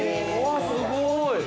◆すごい。